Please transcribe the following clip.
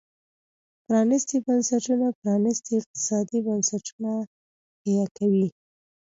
پرانيستي بنسټونه پرانيستي اقتصادي بنسټونه حیه کوي.